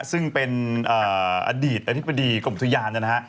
ซึ่งเป็นอดีตอนุปดีกรมทุยานอะนะฮะ